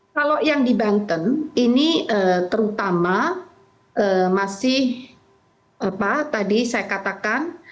kalau yang di banten ini terutama masih apa tadi saya katakan